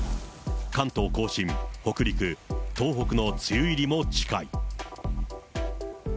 関東甲信、北陸、東北の梅雨入りも近い。